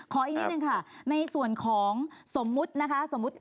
ขออีกนิดนึงในส่วนของสมมุติ